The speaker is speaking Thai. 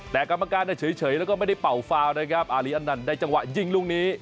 แต่กรรมการเฉยแล้วก็ไม่ได้เป่าฟาวนะครับอารีอันนั้นได้จังหวะยิงลูกนี้